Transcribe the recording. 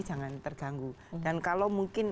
jangan terganggu dan kalau mungkin